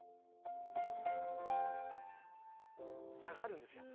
下がるんですよ。